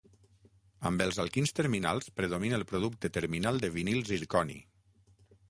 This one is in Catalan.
Amb els alquins terminals predomina el producte terminal de vinil zirconi.